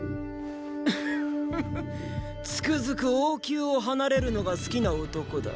ッフフつくづく王宮を離れるのが好きな男だ。